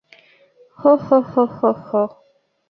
হো হো হো হো হো।